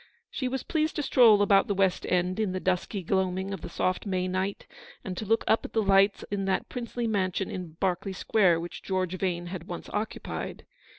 She was pleased to stroll about the West End in the dusky gloaming of the soft May night, and to look up at the lights in that princely mansion in Berkeley Square which George Vane had once 54 occupied.